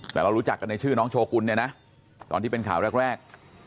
แต่เรารู้จักกันในชื่อน้องโชกุลเนี่ยนะตอนที่เป็นข่าวแรก